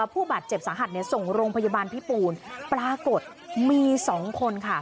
ผู้บาดเจ็บสาหัสส่งโรงพยาบาลพิปูนปรากฏมี๒คนค่ะ